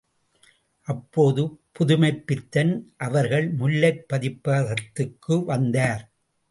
அப்போது புதுமைப்பித்தன் அவர்கள் முல்லைப் பதிப்பகத்துககு வந்தார்.